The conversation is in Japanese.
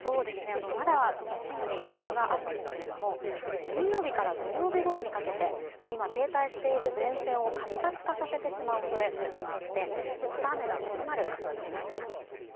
まだ進路には幅があるんですけども金曜日から土曜日ごろにかけて今、停滞している前線を活発化させてしまう恐れがあってまた雨が強まる可能性があります。